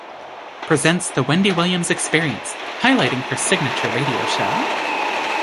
Presents "The Wendy Williams Experience", highlighting her signature radio show.